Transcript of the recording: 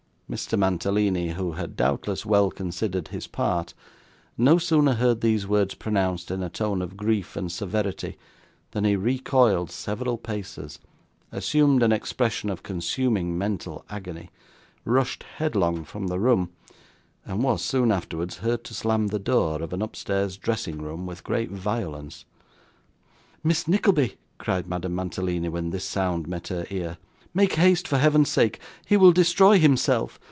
Mr. Mantalini, who had doubtless well considered his part, no sooner heard these words pronounced in a tone of grief and severity, than he recoiled several paces, assumed an expression of consuming mental agony, rushed headlong from the room, and was, soon afterwards, heard to slam the door of an upstairs dressing room with great violence. 'Miss Nickleby,' cried Madame Mantalini, when this sound met her ear, 'make haste, for Heaven's sake, he will destroy himself!